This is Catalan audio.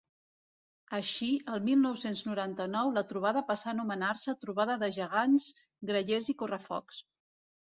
Així, el mil nou-cents noranta-nou la trobada passà a anomenar-se Trobada de Gegants, Grallers i Correfocs.